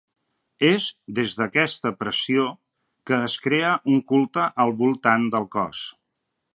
És des d’aquesta pressió que es crea un culte al voltant del cos.